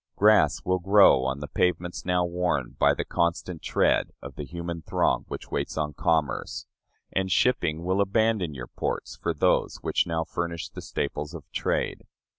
Grass will grow on the pavements now worn by the constant tread of the human throng which waits on commerce, and the shipping will abandon your ports for those which now furnish the staples of trade.